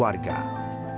warga sengaja datang